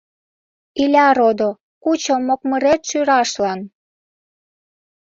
Иля родо, кучо мокмырет шӱрашлан.